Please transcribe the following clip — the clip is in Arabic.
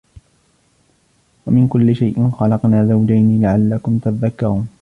ومن كل شيء خلقنا زوجين لعلكم تذكرون